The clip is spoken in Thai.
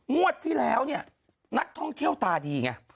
งวดที่แล้วเนี่ยนักท่องเที่ยวตาดีไง